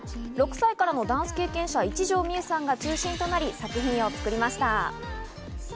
６歳からのダンス経験者・一条未悠さんが中心となり作品を作りました。